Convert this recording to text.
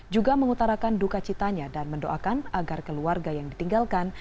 juga mengutarakan duka citanya dan mendoakan agar keluarga yang ditinggalkan